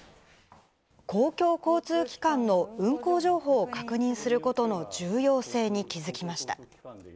公共交通機関の運行情報を確認することの重要性に気付きました。